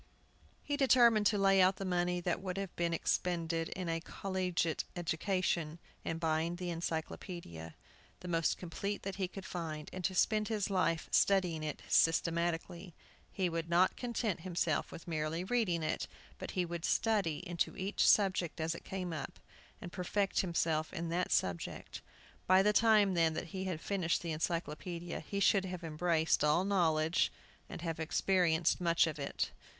He determined to lay out the money that would have been expended in a collegiate education in buying an Encyclopædia, the most complete that he could find, and to spend his life studying it systematically. He would not content himself with merely reading it, but he would study into each subject as it came up, and perfect himself in that subject. By the time, then, that he had finished the Encyclopædia he should have embraced all knowledge, and have experienced much of it.